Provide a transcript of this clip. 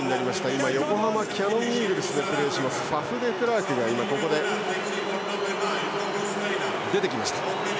今、横浜キヤノンイーグルスでプレーするファフ・デクラークが出てきました。